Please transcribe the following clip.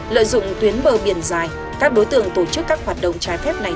lợi dụng tuyến bờ biển dài các đối tượng tổ chức các hoạt động trái phép này